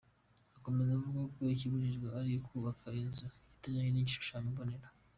Akomeza avuga ko ikibujijwe ari ukubaka inzu itajyanye n’igishushanyo mbonera.